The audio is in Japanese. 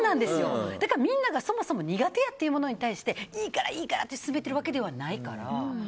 だから、みんながそもそも苦手やというものに対していいからいいからって勧めてるわけではないから。